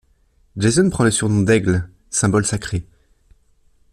Jason prend le surnom d'Aigle, symbole sacré.